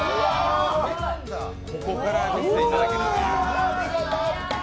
ここから見せていただけるんや。